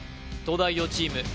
東大王チーム